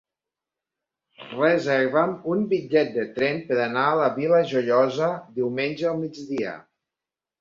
Reserva'm un bitllet de tren per anar a la Vila Joiosa diumenge al migdia.